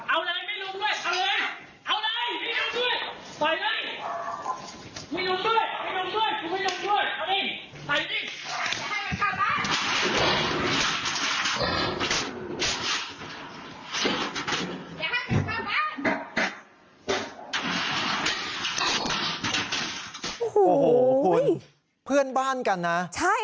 โอ้โหคุณเพื่อนบ้านกันนะใช่ค่ะ